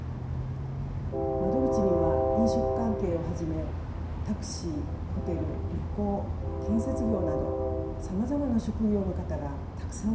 窓口には飲食関係をはじめタクシーホテル旅行建設業などさまざまな職業の方がたくさん来られました。